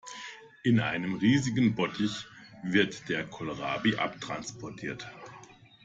In einem riesigen Bottich wird der Kohlrabi abtransportiert.